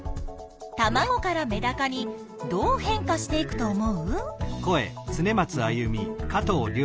たまごからメダカにどう変化していくと思う？